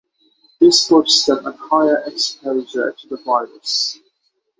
This puts them at higher exposure to the virus.